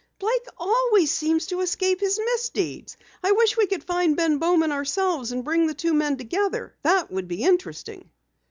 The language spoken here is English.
"Blake always seems to escape his misdeeds. I wish we could find Ben Bowman ourselves, and bring the two men together. That would be interesting!"